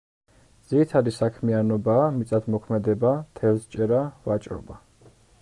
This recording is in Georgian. ძირითადი საქმიანობაა მიწათმოქმედება, თევზჭერა, ვაჭრობა.